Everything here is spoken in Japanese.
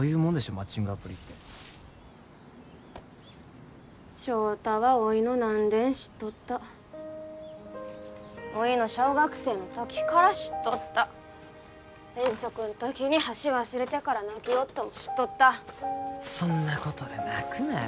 マッチングアプリって翔太はおいの何でん知っとったおいの小学生の時から知っとった遠足ん時に箸忘れてから泣きよっとも知っとったそんなことで泣くなよ